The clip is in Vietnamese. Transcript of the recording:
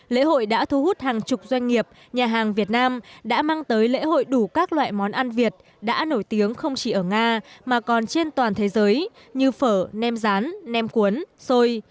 lễ hội đã thu hút hàng chục doanh nghiệp nhà hàng việt nam đã mang tới lễ hội đủ các loại món ăn việt đã nổi tiếng không chỉ ở nga mà còn trên toàn thế giới như phở nem rán nem cuốn xôi